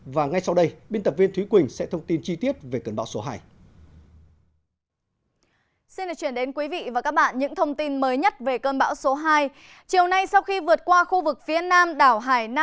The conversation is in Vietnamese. và ngay sau đây biên tập viên thúy quỳnh sẽ thông tin chi tiết về cơn bão số hai